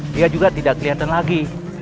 dia juga tidak kelihatan lagi